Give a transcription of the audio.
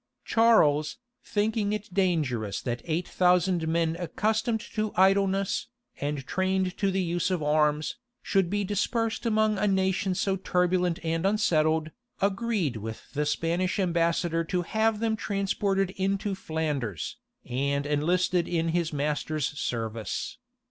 Charles, thinking it dangerous that eight thousand men accustomed to idleness, and trained to the use of arms, should be dispersed among a nation so turbulent and unsettled, agreed with the Spanish ambassador to have them transported into Flanders, and enlisted in his master's service.